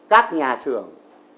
các nhà xưởng